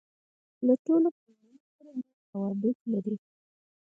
له ټولو قومونوسره نېک راوبط لري.